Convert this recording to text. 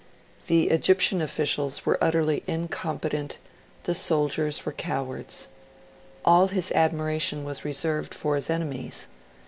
The Egyptian officials were utterly incompetent; the soldiers were cowards. All his admiration was reserved for his enemies.